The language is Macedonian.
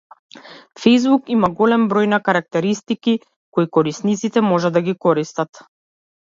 Фејсбук има голем број на карактеристики кои корисниците можат да ги користат.